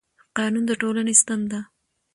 قانون د ټولنې ستن ده